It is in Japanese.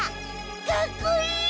かっこいい！